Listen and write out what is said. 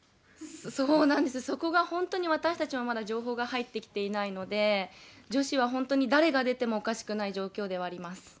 そうなんです、そこが本当に私たちもまだ情報が入ってきていないので、女子は本当に誰が出てもおかしくない状況ではあります。